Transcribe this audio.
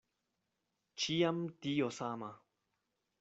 Ĉiam tio sama!